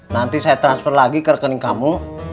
nanti saya transfer lagi ke rekening kamu